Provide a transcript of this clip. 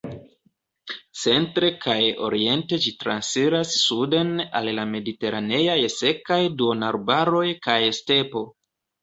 Centre kaj oriente ĝi transiras suden al la mediteraneaj sekaj duonarbaroj kaj stepo.